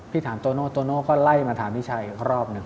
ถามโตโน่โตโน่ก็ไล่มาถามพี่ชายอีกรอบหนึ่ง